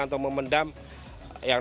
atau memendam yang